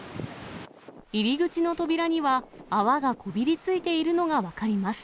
入り口の扉には、泡がこびりついているのが分かります。